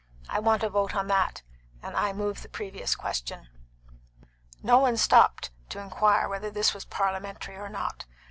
I want a vote on that, and I move the previous question." No one stopped to inquire whether this was parliamentary or not.